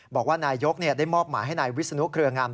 บอกว่านายยกได้มอบหมายให้นายวิศนุเครืองาม